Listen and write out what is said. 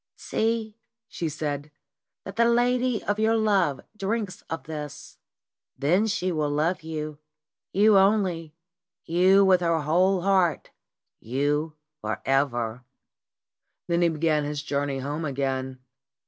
"See," she said, "that the lady of your love drinks of this. Then will she love you; you only; you, with her whole heart, you for ever." Then he began his journey home again.